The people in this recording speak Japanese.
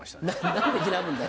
何でにらむんだよ。